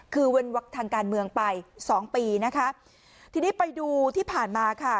คือเว้นวักทางการเมืองไปสองปีนะคะทีนี้ไปดูที่ผ่านมาค่ะ